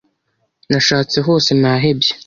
Nashatse hose nahebye